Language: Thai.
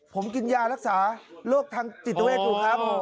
ผมกินยารักษาโรคทางจิตเวทอยู่ครับ